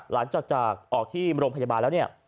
หลังจากจากออกที่โรงพยาบาลแล้วเนี่ย